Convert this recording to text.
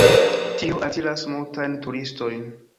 Tio altiras multajn turistojn.